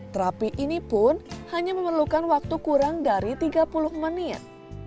terapi ini pun hanya memerlukan waktu kurang dari tiga puluh menit